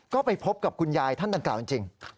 ก็ไปพบกับคุณยายท่านต่างจริง